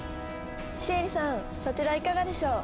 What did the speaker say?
シエリさんそちらいかがでしょう？